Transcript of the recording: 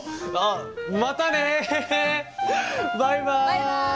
バイバイ！